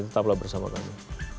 tetaplah bersama kami